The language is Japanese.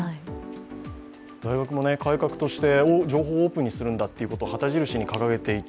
大学も改革として情報をオープンにするんだということを旗印に掲げていた。